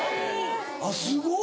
あっすごっ。